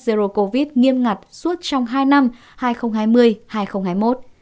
zero covid nghiêm ngặt suốt trong hai năm